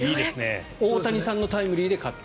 大谷さんのタイムリーで勝って。